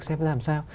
xem ra làm sao